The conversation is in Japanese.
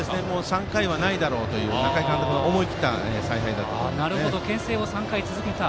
３回はないだろうという中井監督の思い切った采配だとけん制を３回続けた。